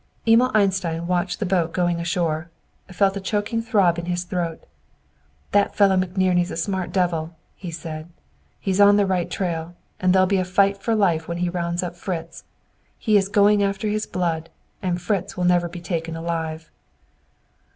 Emil Einstein, watching the boat going ashore, felt a choking throb in his throat. "That fellow McNerney's a smart devil," he said. "He is on the right trail, and there'll be a fight for life when he rounds up Fritz. He is going after his blood. And Fritz will never be taken alive!"